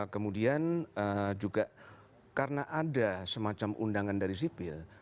kemudian juga karena ada semacam undangan dari sipil